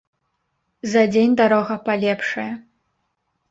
За дзень дарога палепшае.